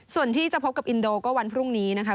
ส่วนที่จะพบกับอินโดก็วันพรุ่งนี้นะคะ